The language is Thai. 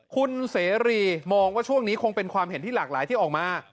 คุณเสรีมองว่าช่วงนี้คงเป็นความเห็นที่หลากหลายที่ออกมา